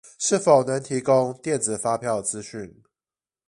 是否能提供電子發票資訊